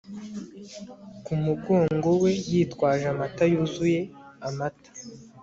ku mugongo we yitwaje amata yuzuye amata